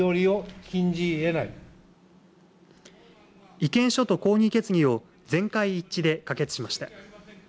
意見書と抗議決議を全会一致で可決しました。